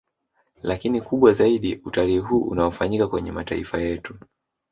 Lakini kubwa zaidi utalii huu unaofanyika kwenye mataifa yetu